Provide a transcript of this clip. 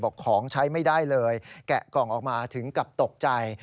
ของใช้ไม่ได้เลยแกะกล่องออกมาถึงกับตกใจ